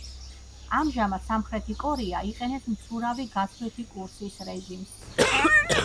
ამჟამად, სამხრეთი კორეა იყენებს მცურავი გაცვლითი კურსის რეჟიმს.